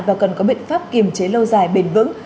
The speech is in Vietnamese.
và cần có biện pháp kiềm chế lâu dài bền vững